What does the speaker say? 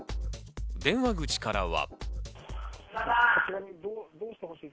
電話口からは。